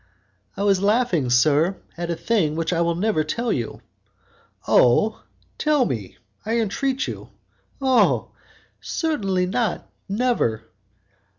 "I was laughing, sir, at a thing which I will never tell you." "Oh! tell me, I entreat you." "Oh! certainly not, never."